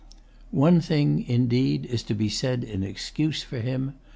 One thing, indeed, is to[Pg 136] be said in excuse for him.